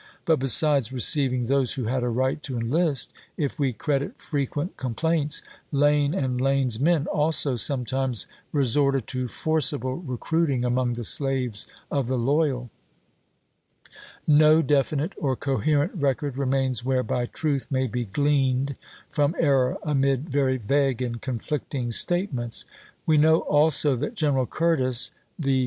But besides receiving those who had a right to enlist, if we credit frequent complaints, Lane and Lane's men also sometimes resorted to forcible recruiting among the slaves of the loyal. No definite or coherent record remains whereby truth may be gleaned from error amid very vague and conflicting statements. We know also that General Curtis, the 446 ABEAHAM LINCOLN Chap.